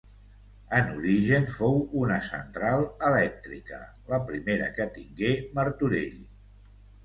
En origen fou una central elèctrica, la primera que tingué Martorell.